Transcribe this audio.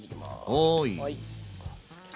はい。